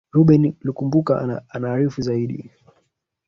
reuben lukumbuka anaarifu zaidi